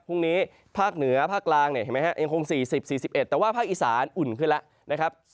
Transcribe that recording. พรุ่งนี้ภาคเหนือภาคกลางยังคง๔๐๔๑แต่ว่าภาคอีสานอุ่นขึ้นแล้วนะครับ